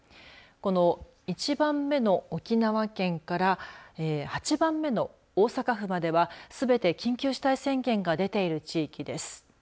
この１番目の沖縄県から８番目の大阪府まではすべて緊急事態宣言が出ている地域です。